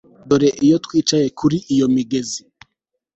dore iyo twicaye kuli iyo migezi